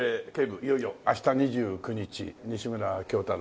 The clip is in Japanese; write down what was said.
いよいよ明日２９日『西村京太郎